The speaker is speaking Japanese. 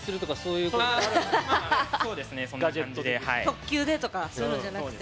特急でとかそういうのじゃなくて。